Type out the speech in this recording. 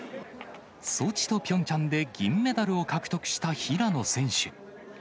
ソチとピョンチャンで銀メダルを獲得した平野選手。